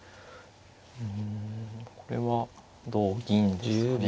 うんこれは同銀ですかね。